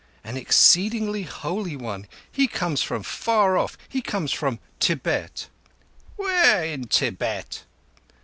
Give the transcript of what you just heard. "An exceedingly holy one. He comes from far off. He comes from Tibet." "Where in Tibet?"